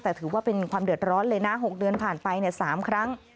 แต่ถือว่าเป็นความเดือดร้อนเลยนะ๖เดือนผ่านไป๓ครั้ง